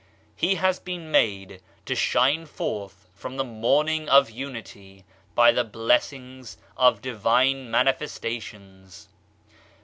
He has been made to shine forth from the morning of unity by the blessings of divine manifestations.